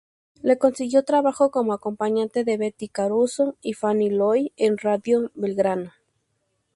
Le consiguió trabajo como acompañante de Betty Caruso y Fanny Loy, en Radio Belgrano.